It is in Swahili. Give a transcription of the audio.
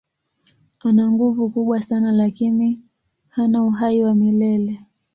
Ana nguvu kubwa sana lakini hana uhai wa milele.